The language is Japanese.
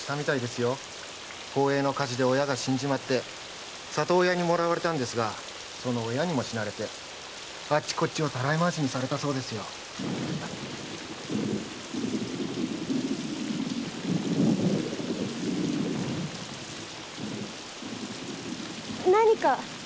宝永の火事で親が死んで里親にもらわれたんですがその親にも死なれてあっちこっちをたらい回しにされたそうですよ。何か？